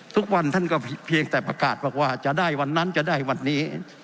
ทุกวันท่านก็เพียงแต่ประกาศบอกว่าจะได้วันนั้นจะได้วันนี้